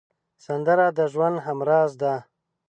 سندره د ژوند همراز ده